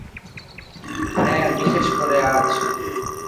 হ্যাঁ, বিশেষ করে আজ।